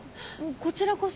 こちらこそ。